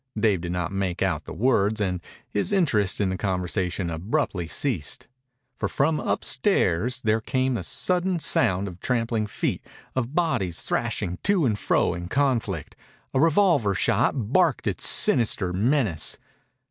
Dave did not make out the words, and his interest in the conversation abruptly ceased. For from upstairs there came the sudden sounds of trampling feet, of bodies thrashing to and fro in conflict. A revolver shot barked its sinister menace.